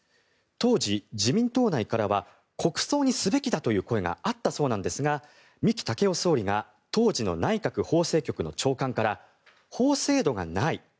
当時、自民党内からは国葬にすべきだという声があったそうなんですが三木武夫総理が当時の内閣法制局の長官から法制度がない。